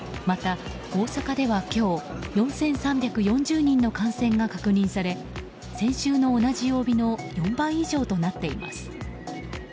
また、大阪では今日４３４０人の感染が確認され先週の同じ曜日の４倍以上となっています。